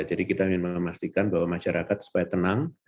jadi kita ingin memastikan bahwa masyarakat supaya tenang